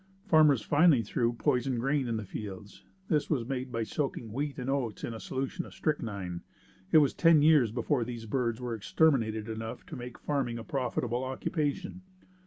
Farmers finally threw poisoned grain in the fields. This was made by soaking wheat and oats in a solution of strychnine. It was ten years before these birds were exterminated enough to make farming a profitable occupation.